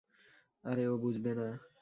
আরে ও বুঝবে না।